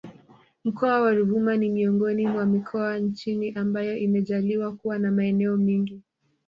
Mkoa wa Ruvuma ni miongoni mwa mikoa nchini ambayo imejaliwa kuwa na maeneo mengi